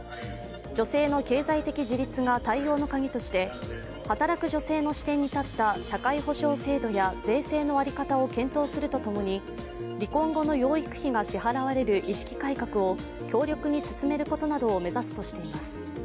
女性の経済的自立が対応の鍵として働く女性の視点に立った社会保障制度や税制の在り方を検討すると共に離婚後の養育費が支払われる意識改革を強力に進めることなどを目指すとしています。